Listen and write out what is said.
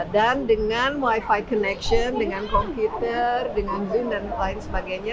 dan dengan wifi connection dengan komputer dengan zoom dan lain sebagainya